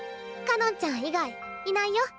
かのんちゃん以外いないよ。